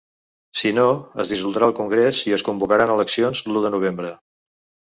Si no, es dissoldrà el congrés i es convocaran eleccions l’u de novembre.